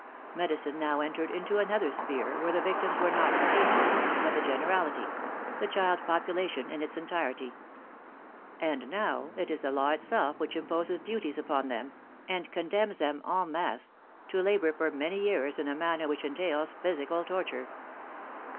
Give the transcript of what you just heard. Medicine now entered into another sphere where the victims were not "cases," but the generality, the child population in its entirety; and now it is the law itself which imposes duties upon them, and condemns them en masse to labor for many years in a manner which entails physical torture.